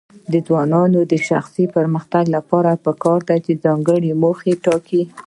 د ځوانانو د شخصي پرمختګ لپاره پکار ده چې ځانګړي موخې ټاکي.